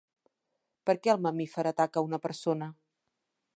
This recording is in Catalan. Per què el mamífer ataca a una persona?